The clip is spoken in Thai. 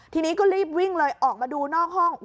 ทีนี้ก็รีบวิ่งเลยออกมาดูนอกห้อง